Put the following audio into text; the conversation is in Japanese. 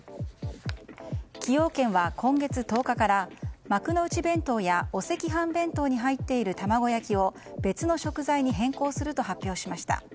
崎陽軒は今月１０日から幕の内弁当やお赤飯弁当に入っている玉子焼きを別の食材に変更すると発表しました。